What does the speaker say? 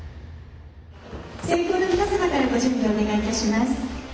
先攻の皆様からご準備をお願いいたします。